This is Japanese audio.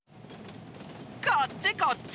こっちこっち。